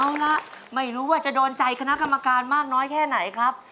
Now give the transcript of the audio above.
เอาละไม่รู้ว่าจะโดนใจคณะกรรมการมากน้อยแค่ไหนครับ